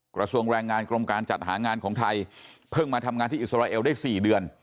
กระทรวงแรงงานกรมการจัดหางานของไทยเพิ่งมาทำงานที่อิสราเอลได้๔เดือน